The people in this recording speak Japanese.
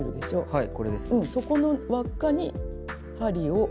はい。